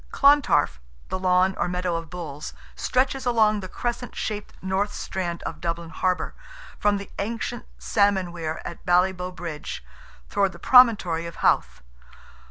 Clontarf, the lawn or meadow of bulls, stretches along the crescent shaped north strand of Dublin harbour, from the ancient salmon weir at Ballyboght bridge, towards the promontory of Howth.